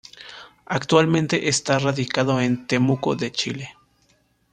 Actualmente está radicado en Temuco de Chile.